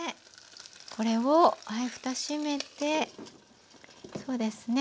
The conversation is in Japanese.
これをふた閉めてそうですね